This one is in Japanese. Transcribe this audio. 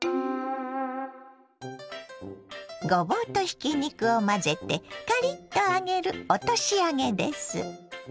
ごぼうとひき肉を混ぜてカリッと揚げる落とし揚げです。